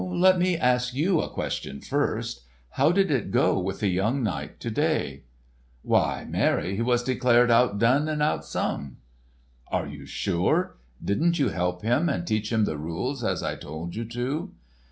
"Let me ask you a question first. How did it go with the young knight to day?" "Why, marry, he was declared outdone and outsung." "Are you sure? Didn't you help him and teach him the rules as I told you to?"